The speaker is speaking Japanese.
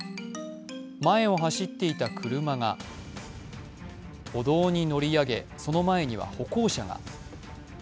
前を走っていた車が歩道に乗り上げ、その前には歩行者が。